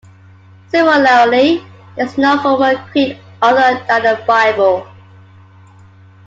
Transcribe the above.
Similarly, there is no formal creed other than the Bible.